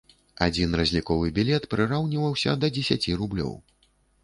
Адзін разліковы білет прыраўніваўся да дзесяці рублёў.